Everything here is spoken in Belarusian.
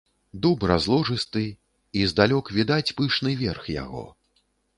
Дуб разложысты, і здалёк відаць пышны верх яго.